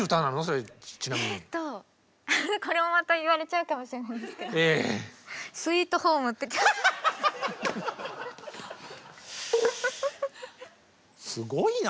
これもまた言われちゃうかもしれないんですけどすごいな。